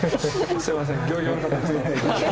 すみません。